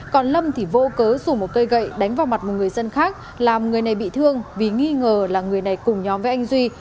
còn lâm thì vô cớ dùng một cây gậy đánh vào mặt một người dân khác làm người này bị thương vì nghi ngờ là người này cùng nhóm với anh duy